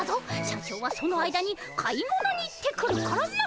社長はその間に買い物に行ってくるからな。